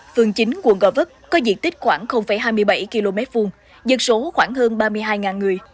phường chín quận gò vấp có diện tích khoảng hai mươi bảy km hai dân số khoảng hơn ba mươi hai người